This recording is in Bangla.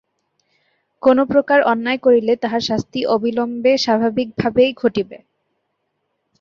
কোন প্রকার অন্যায় করিলে তাহার শাস্তি অবিলম্বে স্বাভাবিকভাবেই ঘটিবে।